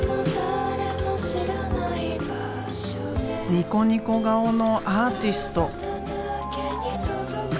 ニコニコ顔のアーティスト。